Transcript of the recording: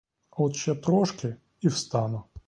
От ще трошки — і встану.